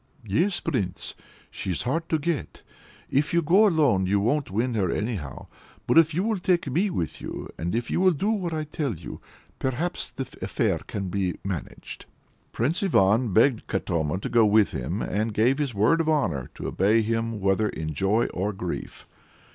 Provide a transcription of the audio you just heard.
"Yes, Prince; she's hard to get. If you go alone, you won't win her anyhow. But if you will take me with you, and if you will do what I tell you, perhaps the affair can be managed." Prince Ivan begged Katoma to go with him, and gave his word of honor to obey him whether in joy or grief.